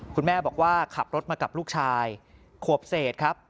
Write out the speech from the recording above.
คุณแม่บอกว่าขับรถมากับลูกชายขวบเศษครับ